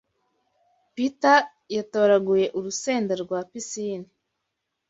Pita yatoraguye urusenda rwa pisine